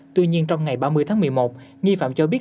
tuy nhiên trong ngày ba mươi tháng một mươi một nghi phạm cho biết